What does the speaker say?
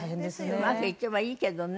うまくいけばいいけどね。